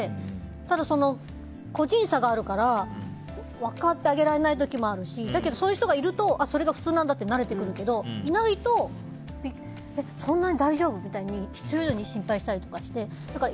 ただ、個人差があるから分かってあげられない時もあるしだけど、そういう人がいるとそれが普通なんだって慣れてくるけど、いないとそんな大丈夫？みたいに心配して。